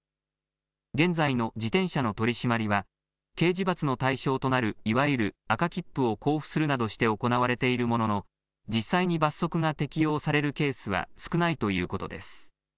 現在の自転車の取締りは、刑事罰の対象となる、いわゆる赤切符を交付するなどして行われているものの、実際に罰則が適用されるケースは少ないということです。